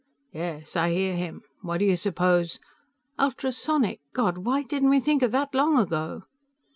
"Yes, I hear him; what do you suppose ?" "Ultrasonic; God, why didn't we think of that long ago?"